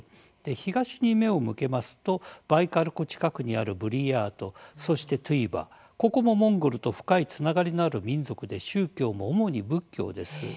東に目を向けますとバイカル湖近くにあるブリヤート、そしてトゥヴァここもモンゴルと深いつながりのある民族で宗教も主に仏教です。